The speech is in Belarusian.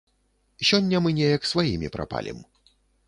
Сёння мы неяк сваімі прапалім.